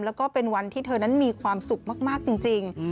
แล้วก็เป็นวันที่เธอนั้นมีความสุขมากจริง